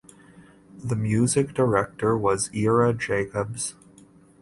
The music director was Ira Jacobs.